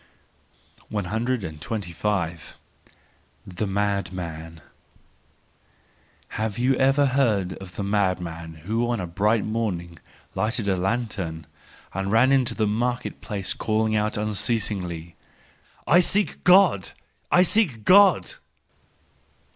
125. The Madman .— Have you ever heard of the madman who on a bright morning lighted a lantern and ran to the market place calling out unceasingly: " I seek God ! I seek God